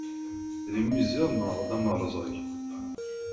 D imiziḍ neɣ d amerẓag?